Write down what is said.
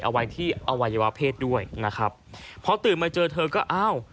เอาไว้ที่อวัยวะเพศด้วยนะครับพอตื่นมาเจอเธอก็อ้าว